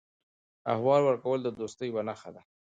احوال ورکول د دوستۍ یوه نښه ده.